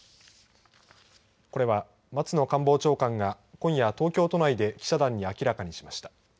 これは、松野官房長官が今夜、東京都内で記者団に明らかにしました。